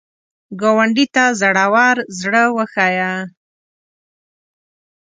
ګاونډي ته زړور زړه وښیه